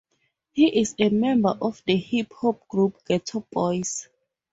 He is a member of the hip hop group Geto Boys.